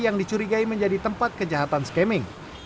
yang dicurigai menjadi tempat kejahatan skaming